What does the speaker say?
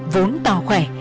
vốn to khỏe